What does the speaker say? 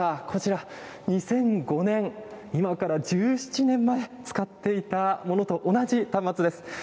こちら、２００５年、今から１７年前、使っていたものと同じ端末です。